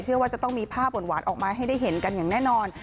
เชื่อว่าจะต้องมีภาพหวานออกมาให้ได้เห็นกันอย่างแน่นอน